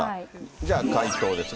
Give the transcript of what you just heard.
じゃあ、回答ですが。